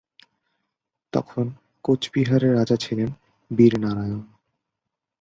তখন কোচবিহারের রাজা ছিলেন বীর নারায়ণ।